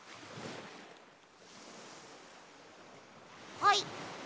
はい。